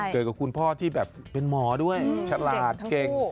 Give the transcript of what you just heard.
เจอกับคุณพ่อที่แบบเป็นหมอด้วยฉลาดเก่ง